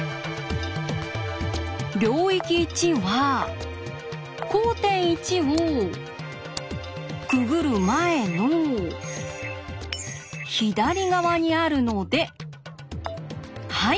領域１は交点１をくぐる前の左側にあるのではい